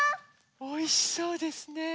おいしそうですね。